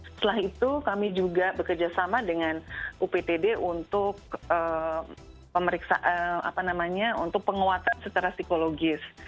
setelah itu kami juga bekerjasama dengan uptd untuk pemeriksaan apa namanya untuk penguatan secara psikologis